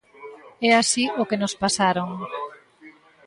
É así o que nos pasaron.